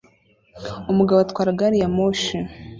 Umugabo atwara gari ya moshi